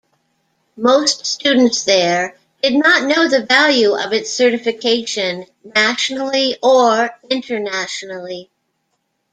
Most students there did not know the value of its certification nationally or internationally.